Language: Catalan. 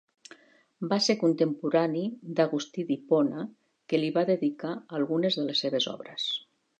Va ser contemporani d'Agustí d'Hipona, que li va dedicar algunes de les seves obres.